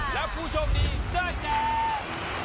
แล้วผู้โชคดีเจอแจง